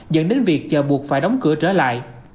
dẫn đến việc chờ buộc phải đóng cửa trở lại